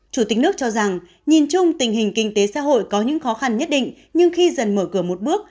chủ tịch nước cho rằng nhìn chung tình hình kinh tế xã hội có những khó khăn nhất định nhưng khi dần mở cửa một bước